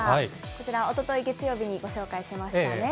こちら、おととい月曜日にご紹介しましたね。